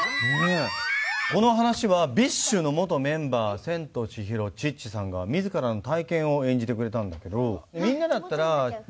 この話はＢｉＳＨの元メンバーセントチヒロ・チッチさんが自らの体験を演じてくれたんだけど。